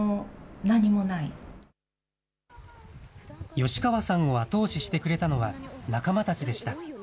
吉川さんを後押ししてくれたのは、仲間たちでした。